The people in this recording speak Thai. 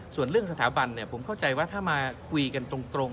ส่วนเรื่องสถาบันผมเข้าใจว่าถ้ามาคุยกันตรง